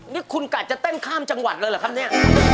นี่คุณกะจะเต้นข้ามจังหวัดเลยเหรอครับเนี่ย